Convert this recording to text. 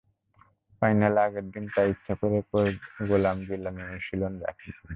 ফাইনালের আগের দিন তাই ইচ্ছা করেই কোচ গোলাম জিলানী অনুশীলন রাখেননি।